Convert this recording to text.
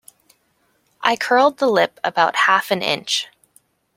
I curled the lip about half an inch.